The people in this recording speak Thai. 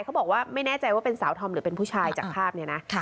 เขาบอกว่าไม่แน่ใจว่าเป็นสาวธอมหรือเป็นผู้ชายจากภาพนี้นะ